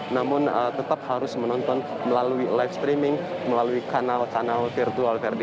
namun tetap harus menonton melalui live streaming melalui kanal kanal virtual ferdi